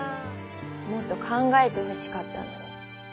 もっと考えてほしかったのに。